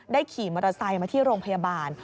ขี่มอเตอร์ไซค์มาที่โรงพยาบาล